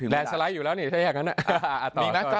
แรนสไลด์อยู่แล้วเนี่ยถ้าอยากงั้นน่ะ